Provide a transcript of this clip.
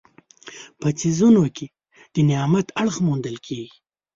په څیزونو کې د نعمت اړخ موندل.